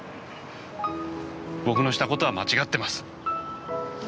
僕のした事は間違ってます。